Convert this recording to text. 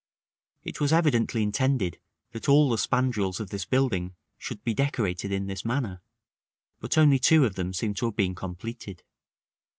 It was evidently intended that all the spandrils of this building should be decorated in this manner, but only two of them seem to have been completed.